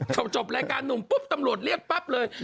จบรายการหนุ่มปุ๊บตำรวจเรียกปั๊บเลย